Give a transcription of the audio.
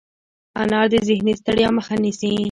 انار د ذهني ستړیا مخه نیسي.